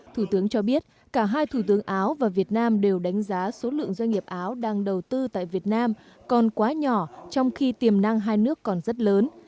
thủ tướng cho biết cả hai thủ tướng áo và việt nam đều đánh giá số lượng doanh nghiệp áo đang đầu tư tại việt nam còn quá nhỏ trong khi tiềm năng hai nước còn rất lớn